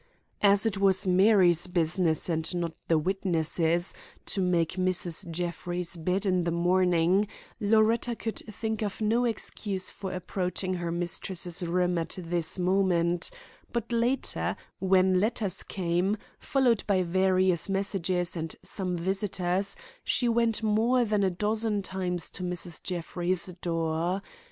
As it was Mary's business, and not the witness', to make Mrs. Jeffrey's bed in the morning, Loretta could think of no excuse for approaching her mistress' room at this moment; but later, when letters came, followed by various messages and some visitors, she went more than a dozen times to Mrs. Jeffrey's door.